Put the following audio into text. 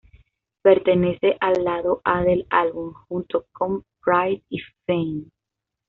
Pertenece al lado A del álbum, junto con "Pride" y "Fame".